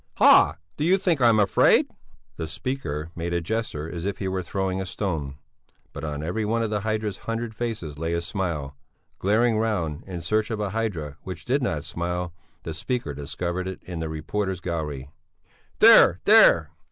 "Ha! Do you think I'm afraid?" The speaker made a gesture as if he were throwing a stone, but on every one of the hydra's hundred faces lay a smile. Glaring round, in search of a hydra which did not smile, the speaker discovered it in the reporters' gallery. "There! There!"